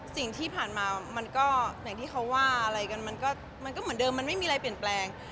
สิ่งที่ผ่านมามันก็อย่างที่เขาว่าอะไรกันมันก็เหมือนเดิมมันไม่มีอะไรเปลี่ยนแปลง